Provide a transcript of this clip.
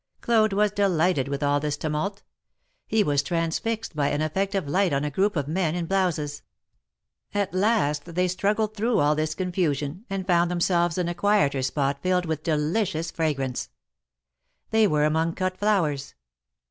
Claude was delighted with all this tumult. He was transfixed by an effect of light on a group of men in blouses. At last they struggled through all this confu sion, and found themselves in a quieter spot filled with delicious fragrance. They were among cut flowers.